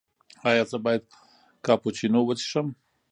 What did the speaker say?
ایا زه باید کاپوچینو وڅښم؟